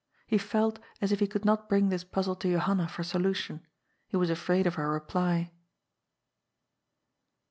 He felt as if he could not bring this pazzle to Johanna for solution. He was afraid of her reply.